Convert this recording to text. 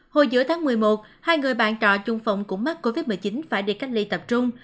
hồi giữa tháng một mươi một hai người bạn trọ chung phòng cũng mắc covid một mươi chín phải đi cách ly tập trung